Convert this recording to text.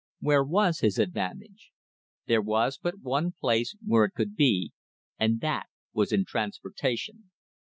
Where was his advantage? There was but one place where it could be, and that was in trans portation.